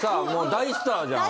大スターじゃん。